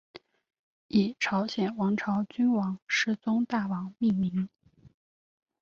以朝鲜王朝君王世宗大王命名。